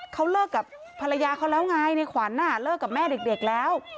เขาเลิกกับภรรยาเขาแล้วไงในขวัญเลิกกับแม่เด็กแล้ว